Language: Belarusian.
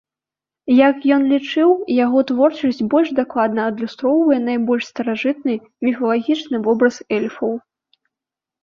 Як ён лічыў, яго творчасць больш дакладна адлюстроўвае найбольш старажытны, міфалагічны вобраз эльфаў.